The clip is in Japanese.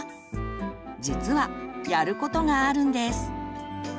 実はやることがあるんです。